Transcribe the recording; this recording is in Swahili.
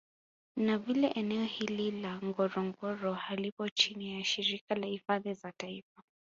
Na vile eneo hili la Ngorongoro halipo chini ya shirika la hifadhi za taifa